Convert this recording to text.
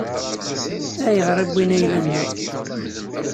Ayɣer i wwin ayla-nneɣ?